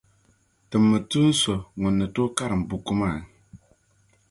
Timmi tuun’ so ŋun ni tooi karim buku maa.